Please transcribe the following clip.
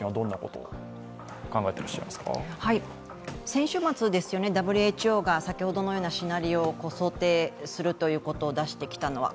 先週末ですよね、ＷＨＯが先ほどのようなシナリオを想定するということを出してきたのは。